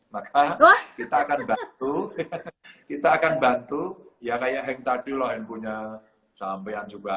maka kita akan bantu kita akan bantu ya kayak hang tadi loh handphonenya sampean juga